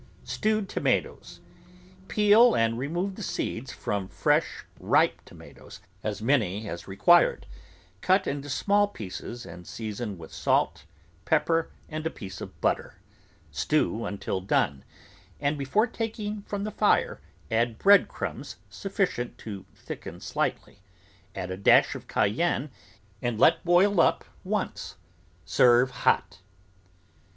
STEWED TOMATOES Peel and remove the seeds from fresh, ripe toma toes (as many as required), cut into small pieces, and season with salt, pepper, and a piece of butter ; stew until done, and, before taking from the fire, add bread crumbs sufficient to thicken slightly, add a dash of cayenne, and let boil up once. Serve hot.